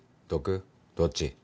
毒？どっち？